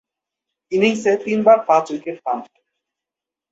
ইনিংসে তিনবার পাঁচ-উইকেট পান।